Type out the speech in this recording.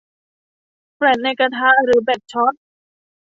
แฟลชในกระทะหรือแบบช็อต